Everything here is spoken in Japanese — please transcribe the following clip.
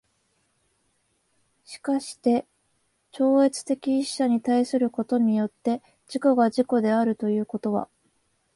しかして超越的一者に対することによって自己が自己であるということは、